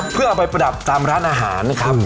เพื่อเอาไปประดับตามร้านอาหารนะครับ